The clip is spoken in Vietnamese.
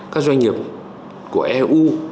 các doanh nghiệp của eu